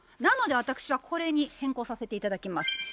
なので私はこれに変更させて頂きます。